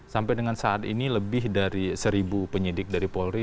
sampai dengan saat ini lebih dari seribu penyidik dari polri